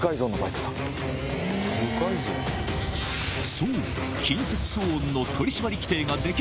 そう！